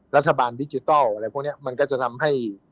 รัฐบาลดิจิทัลอะไรพวกนี้มันก็จะทำให้